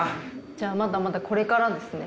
じゃあまだまだこれからですね。